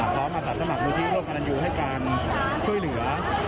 พร้อมมาสัดสมัครผู้ชีพโรคการณ์ยูให้กันช่วยเหลือ